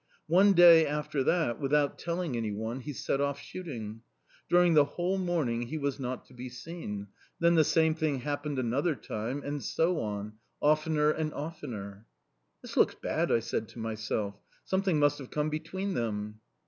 One day after that, without telling anyone, he set off shooting. During the whole morning he was not to be seen; then the same thing happened another time, and so on oftener and oftener... "'This looks bad!' I said to myself. 'Something must have come between them!